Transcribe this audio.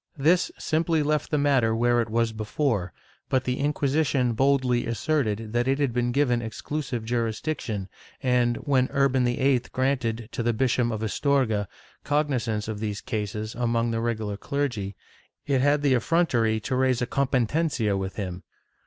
^ This simply left the matter where it was before, but the Inqui sition boldly asserted that it had been given exclusive jm'isdiction and, when Urban VIII granted, to the Bishop of Astorga, cogni zance of these cases among the regular clergy, it had the effrontery to raise a competencia with him.